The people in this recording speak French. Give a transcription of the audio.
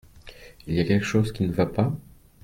Il y a quelque chose qui ne va pas ?